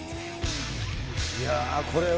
いや、これは。